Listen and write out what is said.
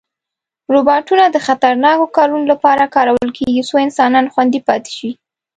روباټونه د خطرناکو کارونو لپاره کارول کېږي، څو انسان خوندي پاتې شي.